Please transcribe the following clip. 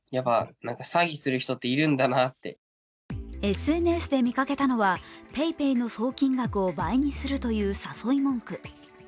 ＳＮＳで見かけたのは、ＰａｙＰａｙの総金額を倍にするという誘い文句。